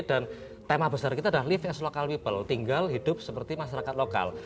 dan tema besar kita adalah live as local people tinggal hidup seperti masyarakat lokal